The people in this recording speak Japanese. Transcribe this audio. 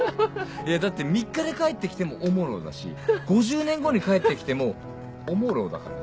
だって３日で帰って来てもオモロだし５０年後に帰って来てもオモロだからね。